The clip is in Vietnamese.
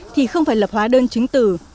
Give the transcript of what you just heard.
thì không phải lập hóa đơn chính tử